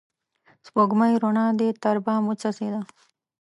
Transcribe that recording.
سپوږمۍ روڼا دي تر بام وڅڅيده